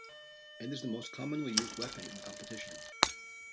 It is the most commonly used weapon in competition.